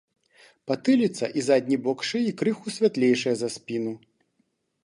Патыліца і задні бок шыі крыху святлейшыя за спіну.